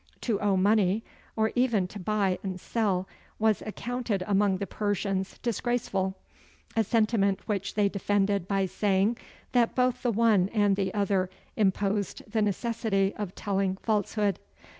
To owe money, or even to buy and sell, was accounted among the Persians disgraceful a sentiment which they defended by saying that both the one and the other imposed the necessity of telling falsehood.